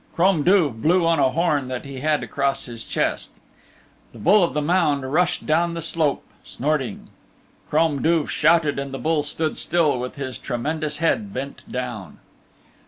Crom Duv blew on a horn that he had across his chest. The Bull of the Mound rushed down the slope snorting. Crom Duv shouted and the bull stood still with his tremendous head bent down.